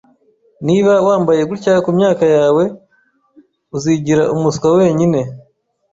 Niba wambaye gutya kumyaka yawe, uzigira umuswa wenyine.